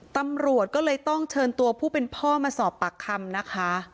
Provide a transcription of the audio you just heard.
ตำรวจก็เลยต้องเชิญตัวผู้เป็นพ่อมาสอบปากคำนะคะ